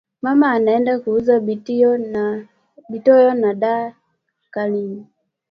Mama anaenda kuuza bitoyo na da carine